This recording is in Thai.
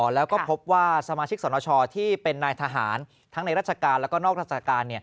แล้วก็พบว่าสมาชิกสนชที่เป็นนายทหารทั้งในราชการแล้วก็นอกราชการ